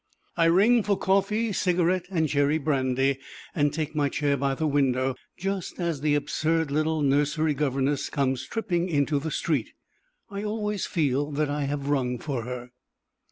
I ring for coffee, cigarette, and cherry brandy, and take my chair by the window, just as the absurd little nursery governess comes tripping into the street. I always feel that I have rung for her.